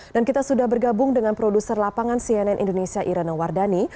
dan kita sudah bergabung dengan produser lapangan cnn indonesia irena wardani